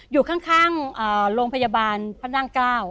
อยู่ข้างโรงพยาบาลพระนั่งเกล้า